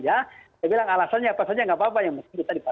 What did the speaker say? saya bilang alasannya apa saja tidak apa apa yang mesti kita dipaksin saja